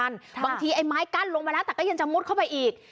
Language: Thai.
บางทีไอ้ไม้กั้นลงไปแล้วแต่ก็ยังจะมุดเข้าไปอีก